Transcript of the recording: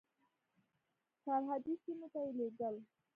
سرحدي سیمو ته یې لېږل.